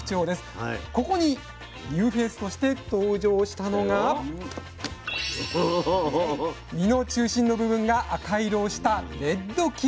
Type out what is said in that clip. ここにニューフェースとして登場したのが実の中心の部分が赤色をしたレッドキウイ。